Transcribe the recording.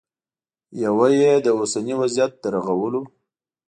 یوه یې د اوسني وضعیت د رغولو